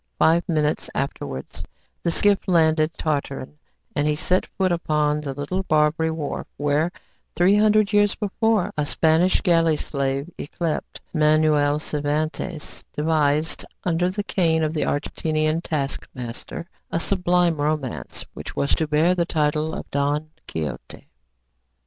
Five minutes afterwards the skiff landed Tartarin, and he set foot upon the little Barbary wharf, where, three hundred years before, a Spanish galley slave yclept Miguel Cervantes devised, under the cane of the Algerian taskmaster, a sublime romance which was to bear the title of "Don Quixote."